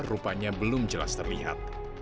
rupanya belum jelas terlihat